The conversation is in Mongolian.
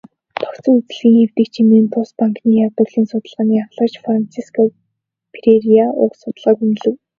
"Тогтсон үзлийг эвдэгч" хэмээн тус банкны ядуурлын судалгааны ахлагч Франсиско Ферреира уг судалгааг үнэлэв.